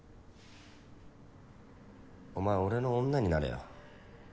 お前俺の女になれよ。